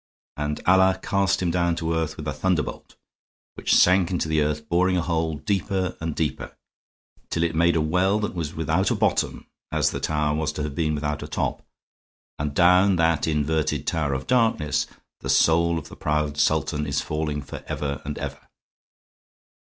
And Allah cast him down to earth with a thunderbolt, which sank into the earth, boring a hole deeper and deeper, till it made a well that was without a bottom as the tower was to have been without a top. And down that inverted tower of darkness the soul of the proud Sultan is falling forever and ever."